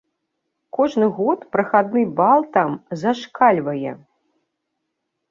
Кожны год прахадны бал там зашкальвае.